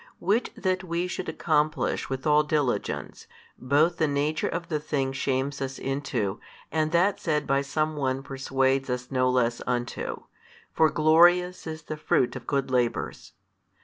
Which that we should accomplish with all diligence, both the nature of the thing shames us into, and that said by some one persuades us no less unto, For glorious is the fruit of good labours.